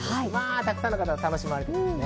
たくさんの方が楽しまれています。